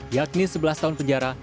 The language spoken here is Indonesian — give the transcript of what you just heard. yakni sebelas tahun penjara